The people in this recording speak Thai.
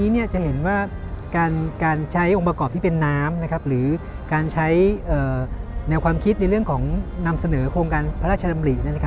จะเห็นว่าการใช้องค์ประกอบที่เป็นน้ำหรือการใช้แนวความคิดในเรื่องของนำเสนอโครงการพระราชดำริ